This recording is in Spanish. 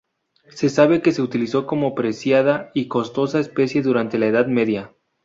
Se sabe que se utilizó como preciada y costosa especia durante la Edad Media.